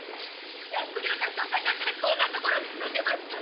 百両なんてお金あったらこんな所に住んでますか？